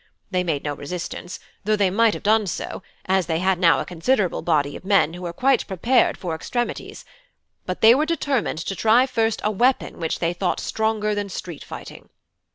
They made no resistance, though they might have done so, as they had now a considerable body of men who were quite prepared for extremities. But they were determined to try first a weapon which they thought stronger than street fighting.